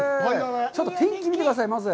ちょっと天気見てください。